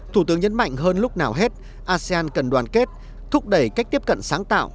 thủ tướng nhấn mạnh hơn lúc nào hết asean cần đoàn kết thúc đẩy cách tiếp cận sáng tạo